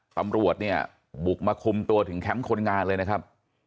ตำรวจเนี่ยบุกมาคุมตัวถึงแคมป์คนงานเลยนะครับ